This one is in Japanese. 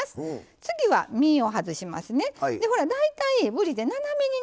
次は身を外しますね。